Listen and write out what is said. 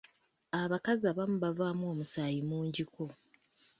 Abakazi abamu bavaamu omusaayi mungiko.